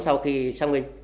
sau khi xác minh